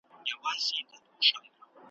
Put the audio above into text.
نه تميز د ښو او بدو به اوس كېږي `